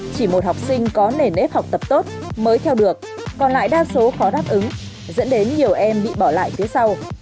chỉ một học sinh có nền nếp học tập tốt mới theo được còn lại đa số khó đáp ứng dẫn đến nhiều em bị bỏ lại phía sau